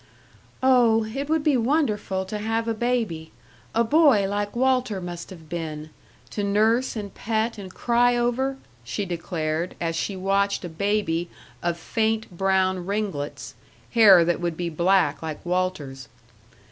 "Oh, it would be wonderful to have a baby a boy like Walter must have been to nurse and pet and cry over!" she declared, as she watched a baby of faint, brown ringlets hair that would be black like Walter's.